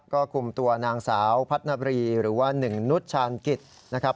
ก็คุมตัวนางสาวพัฒนาบรีหรือว่าหนึ่งนุษยชาญกิจนะครับ